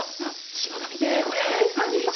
柴田見てこれ。